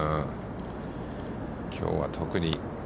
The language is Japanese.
きょうは特に。